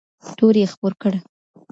تور یې خپور کړ